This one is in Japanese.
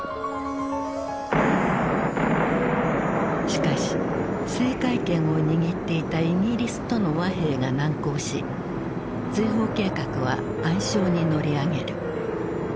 しかし制海権を握っていたイギリスとの和平が難航し追放計画は暗礁に乗り上げる。